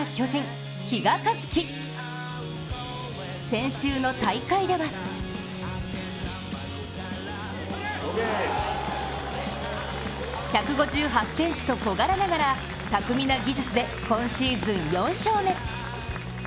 先週の大会では１５８ｃｍと小柄ながら、巧みな技術で今シーズン４勝目。